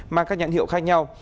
mang các nhãn hiệu khác nhau